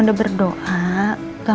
aku takut mimpi buah buahan